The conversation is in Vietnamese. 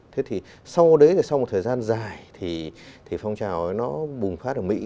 thế thì sau đấy sau một thời gian dài thì phong trào nó bùng phát ở mỹ